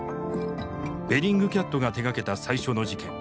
ベリングキャットが手がけた最初の事件